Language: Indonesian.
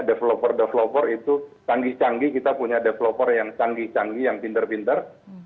developer developer itu canggih canggih kita punya developer yang canggih canggih yang pinter pinter